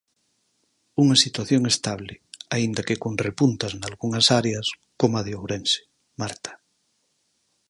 Unha situación estable, aínda que con repuntas nalgunhas áreas, como a de Ourense, Marta.